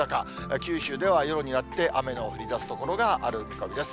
九州では夜になって、雨の降りだす所がある見込みです。